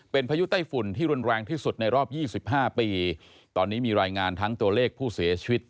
เป็นพายุไต้ฝุ่นที่รุนแรงที่สุดในรอบ๒๕ปีตอนนี้มีรายงานทั้งตัวเลขผู้เสียชีวิต